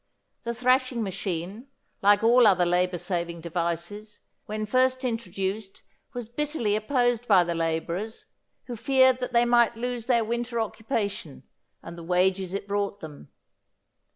The thrashing machine, like all other labour saving devices, when first introduced was bitterly opposed by the labourers, who feared that they might lose their winter occupation and the wages it brought them.